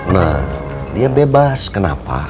nah dia bebas kenapa